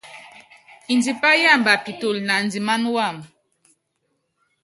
Ndipá yámba pitulu naandimána wam.